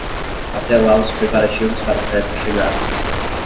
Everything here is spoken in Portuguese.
Até lá os preparativos para a festa chegaram.